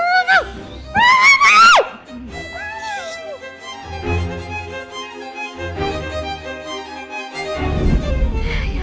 ya allah sya